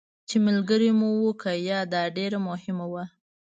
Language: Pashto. چې ملګري مو وو که یا، دا ډېره مهمه وه.